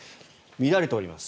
乱れております。